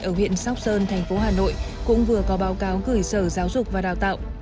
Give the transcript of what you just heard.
ở huyện sóc sơn thành phố hà nội cũng vừa có báo cáo gửi sở giáo dục và đào tạo